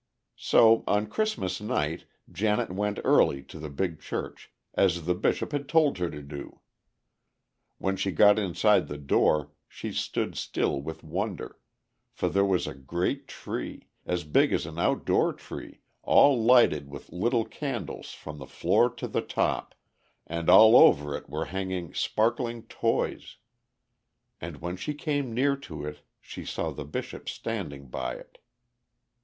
So on Christmas night, Janet went early to the big church, as the Bishop had told her to do. When she got inside the door, she stood still with wonder, for there was a great tree, as big as an out door tree, all lighted with little candles from the floor to the top, and all over it were hanging sparkling toys. And when she came near to it, she saw the Bishop standing by it.